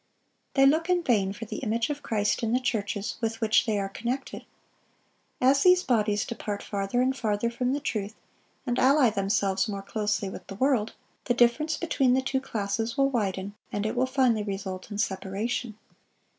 They look in vain for the image of Christ in the churches with which they are connected. As these bodies depart farther and farther from the truth, and ally themselves more closely with the world, the difference between the two classes will widen, and it will finally result in separation.